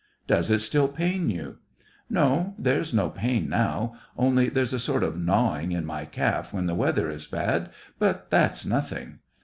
" Does it still pain you ?"" No, there's no pain now ; only there's a sort of gnawing in my calf when the weather is bad, but that's nothing."